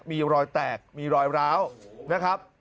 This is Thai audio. มีรอยแตกมีรอยร้าวนะครับ